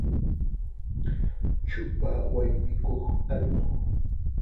Chupa waymikuq allqu.